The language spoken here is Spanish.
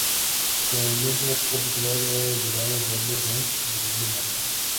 Su movimiento más particular era el llamado "double dunk" o doble mate.